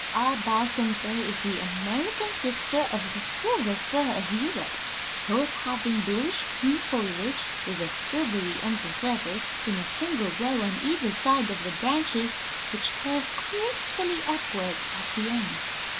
Our balsam fir is the American sister of the silver fir of Europe, both having bluish green foliage with a silvery under surface, in a single row on either side of the branches, which curve gracefully upward at the ends.